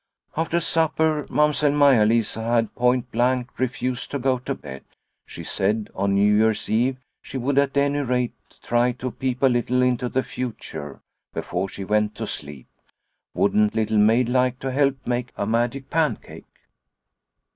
After supper, Mamsell Maia Lisa had point blank refused to go to bed. She said, on New Year's Eve, she would, at any rate, try to peep a little into the futuie before she went to sleep. Wouldn't Little Maid like to help make a magic pan cake